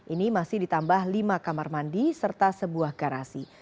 ini masih ditambah lima kamar mandi serta sebuah garasi